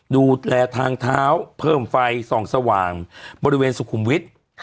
ดูแลทางเท้าเพิ่มไฟส่องสว่างบริเวณสุขุมวิทย์